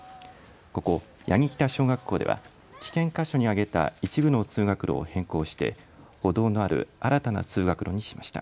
ここ八木北小学校では危険箇所に挙げた一部の通学路を変更して歩道のある新たな通学路にしました。